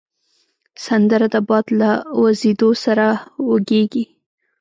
سندره د باد له وزېدو سره وږیږي